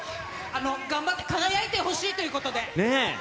頑張って輝いてほしいというねぇ。